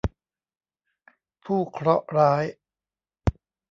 ผู้เคราะห์ร้าย